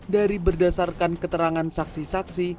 dari berdasarkan keterangan saksi saksi